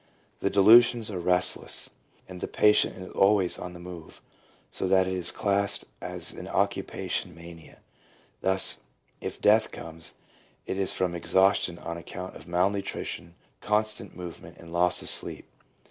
2 The delusions are restless and the patient is always on the move, so that it is classed as an "occupation mania"; thus if death comes it is from exhaustion on account of mal nutrition, constant movement, and loss of sleep.